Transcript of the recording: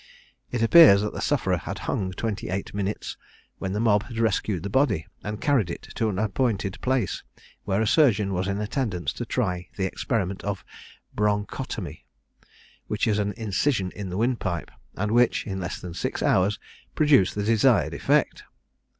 It appears that the sufferer had hung twenty eight minutes, when the mob rescued the body, and carried it to an appointed place, where a surgeon was in attendance to try the experiment of bronchotomy, which is an incision in the windpipe, and which, in less than six hours, produced the desired effect.